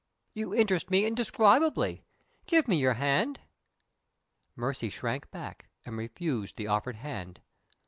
You interest me indescribably. Give me your hand." Mercy shrank back, and refused the offered hand.